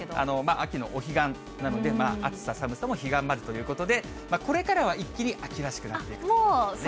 秋のお彼岸などで、暑さ寒さも彼岸までということで、これからは一気に秋らしくなってきます